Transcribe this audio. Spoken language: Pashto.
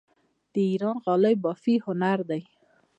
د ایران غالۍ بافي هنر دی.